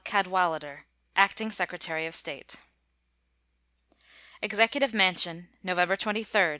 CADWALADER, Acting Secretary of State. EXECUTIVE MANSION, November 23, 1876.